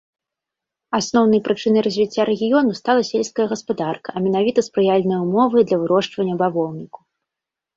Асноўнай прычынай развіцця рэгіёну стала сельская гаспадарка, а менавіта спрыяльныя ўмовы для вырошчвання бавоўніку.